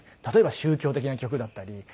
例えば宗教的な曲だったり。